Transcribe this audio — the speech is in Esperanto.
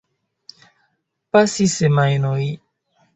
Pasis semajnoj.